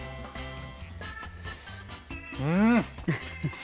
うん！